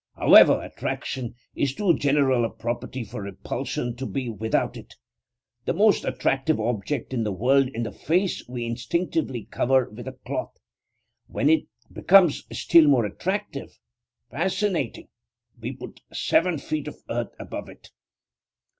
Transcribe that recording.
However, attraction is too general a property for repulsion to be without it. The most attractive object in the world is the face we instinctively cover with a cloth. When it becomes still more attractive fascinating we put seven feet of earth above it.